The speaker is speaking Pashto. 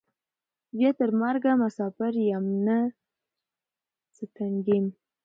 بیا تر مرګه مساپر یم نه ستنېږم